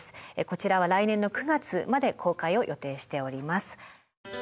こちらは来年の９月まで公開を予定しております。